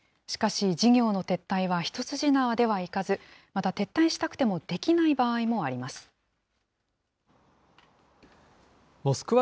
しかし、事業の撤退は一筋縄ではいかず、また撤退したくてもできない場合もあります。